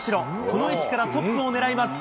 この位置からトップを狙います。